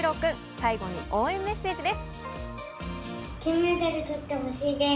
最後に応援メッセージです。